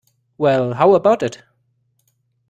Well, how about it?